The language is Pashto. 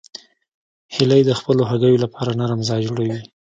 هیلۍ د خپلو هګیو لپاره نرم ځای جوړوي